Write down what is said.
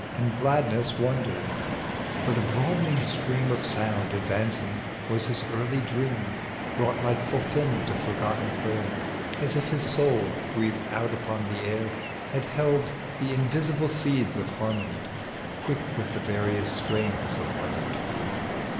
33 And gladness wonder ; for the broadening stream Of sound advancing was his early dream, Brought like fulfilment of forgotten prayer ; As if his soul, breathed out upon the air, Had held the invisible seeds of harmony Quick with the various strains of life to be.